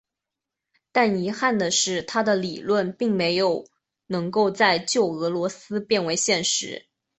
但遗憾的是他的理论并没有能够在旧俄罗斯变为现实。